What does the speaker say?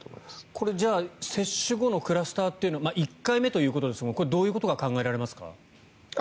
これ、じゃあ接種後のクラスターというのは１回目ということですがこれはどういうことが考えられますか？